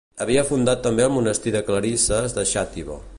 Havia fundat també el monestir de clarisses de Xàtiva.